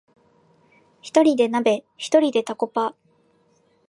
ひとりで鍋、ひとりでタコパ